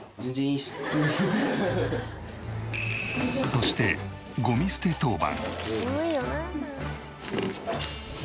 そしてゴミ捨て当番。